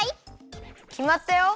きまったよ。